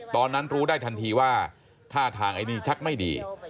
ตอนนั้นรู้ได้ทันทีว่าท่าทางไอ้นี่ชักไม่ดี